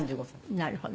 なるほど。